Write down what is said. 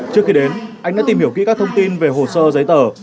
trước khi đến anh đã tìm hiểu kỹ các thông tin về hồ sơ giấy tờ